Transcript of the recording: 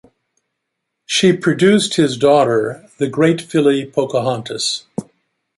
She produced his daughter, the great filly Pocahontas.